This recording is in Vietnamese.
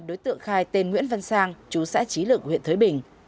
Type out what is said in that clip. đối tượng khai tên nguyễn văn sang chú xã trí lực huyện thới bình